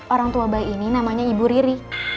orang tua bayi ini namanya ibu riri